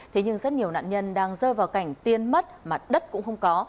thế nhưng rất nhiều nạn nhân đang rơi vào cảnh tiên mất mặt đất cũng không có